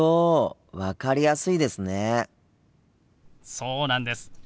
そうなんです。